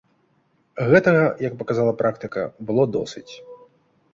Гэтага, як паказала практыка, было досыць.